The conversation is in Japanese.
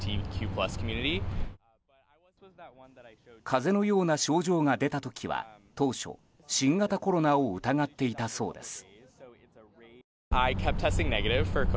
風邪のような症状が出た時は当初、新型コロナを疑っていたそうです。